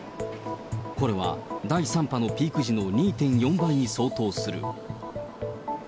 これは第３波のピーク時の２．４倍に相当する。